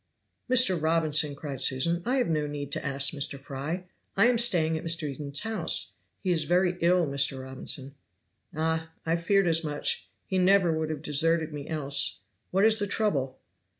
"Mr. Robinson," cried Susan, "I have no need to ask Mr. Fry. I am staying at Mr. Eden's house. He is very ill, Mr. Robinson." "Ah! I feared as much! he never would have deserted me else. What is the trouble?"